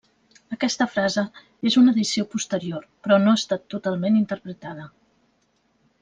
Aquesta frase és una addició posterior però no ha estat totalment interpretada.